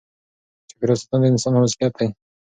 چاپېریال ساتنه د انسان مسؤلیت دی.